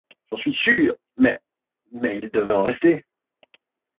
J’en suis sûr… Mais… Mais il devait en rester.